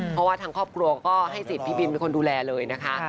เพราะว่าทางครอบครัวก็ให้สิทธิ์พี่บินเป็นคนดูแลเลยนะคะ